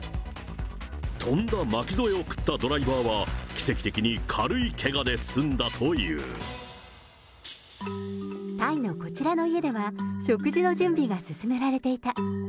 飛んだ巻き添えを食ったドライバーは、奇跡的に軽いけがで済んだタイのこちらの家では、食事の準備が進められていた。